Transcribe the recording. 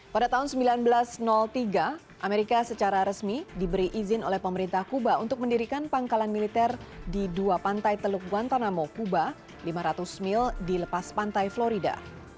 pada tahun seribu sembilan ratus tiga amerika secara resmi diberi izin oleh pemerintah kuba untuk mendirikan pangkalan militer di dua pantai teluk wantanamo kuba lima ratus mil di lepas pantai florida